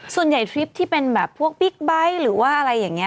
ส่วนใหญ่ทริปที่เป็นพวกบิ๊กไบท์หรือว่าอะไรอย่างนี้